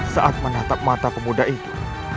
saat menatap mata pemuda itu